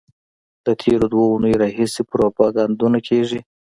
له تېرو دوو اونیو راهیسې پروپاګندونه کېږي.